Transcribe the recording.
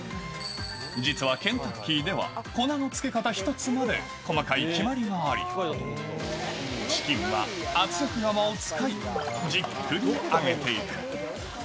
実はケンタッキーでは、粉のつけ方一つまで細かい決まりがあり、チキンは圧力釜を使い、じっくり揚げていく。